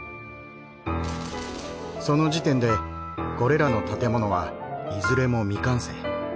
その時点でこれらの建物はいずれも未完成。